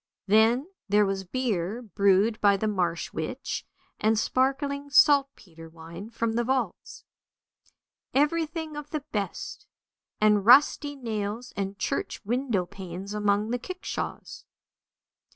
Then there was beer brewed by the marsh witch, and sparkling saltpetre wine from the vaults. Everything of the best, and rusty nails and church window panes among the kickshaws.